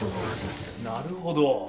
なるほど。